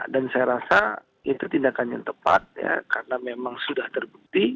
dan saya rasa itu tindakan yang tepat ya karena memang sudah terbukti